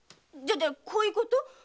じゃこういうこと？